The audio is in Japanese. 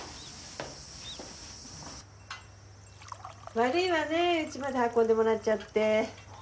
悪いわねぇうちまで運んでもらっちゃって。